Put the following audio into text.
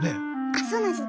あそうなんです。